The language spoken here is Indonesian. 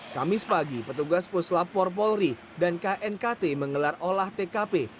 kamis pagi petugas puslap empat polri dan knkt menggelar olah tkp